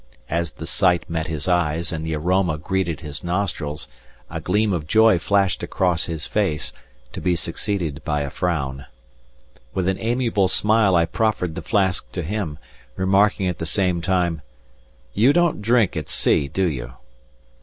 As the sight met his eyes and the aroma greeted his nostrils, a gleam of joy flashed across his face, to be succeeded by a frown. With an amiable smile I proffered the flask to him, remarking at the same time: "You don't drink at sea, do you?"